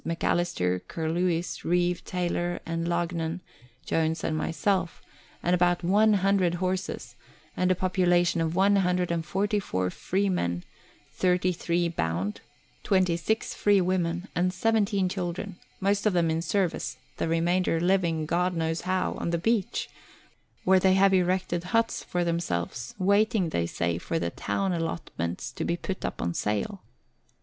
Macalister, Curlewis, Reeve, Taylor and Loughnan, Jones, and myself ; and about one hundred horses, and a population of one hundred and forty four free men, thirty three bond, twenty six free women, and seventeen children most of them in service, the remainder living, God knows how, on the beach, where they have erected huts for themselves, waiting, they say, for the town allotments to be put up for sale.